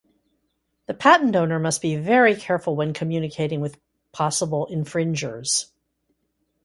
The patent owner must be very careful when communicating with possible infringers.